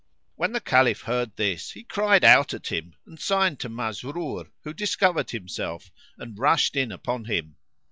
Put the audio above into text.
When the Caliph heard this, he cried out at him, and signed to Masrur who discovered himself and rushed in upon him.